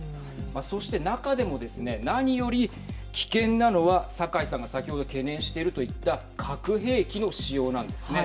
そして中でもですね何より危険なのは酒井さんが先ほど懸念していると言った核兵器の使用なんですね。